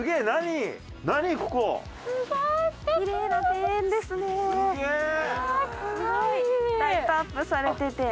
すごいライトアップされてて。